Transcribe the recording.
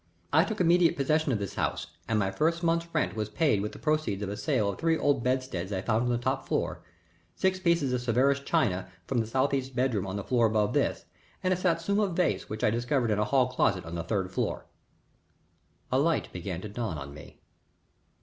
I took immediate possession of this house, and my first month's rent was paid with the proceeds of a sale of three old bedsteads I found on the top floor, six pieces of Sèvres china from the southeast bedroom on the floor above this, and a Satsuma vase which I discovered in a hall closet on the third floor." A light began to dawn on me.